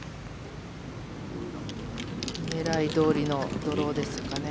狙いどおりのドローですかね。